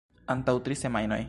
Antaŭ tri semajnoj.